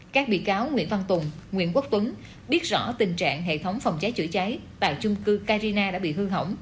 các bị cáo nguyễn văn tùng nguyễn quốc tuấn biết rõ tình trạng hệ thống phòng cháy chữa cháy tại chung cư carina đã bị hư hỏng